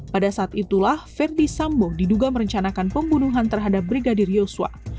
pada saat itulah ferdi sambo diduga merencanakan pembunuhan terhadap brigadir yosua